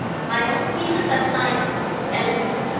My own pieces are signed Ella."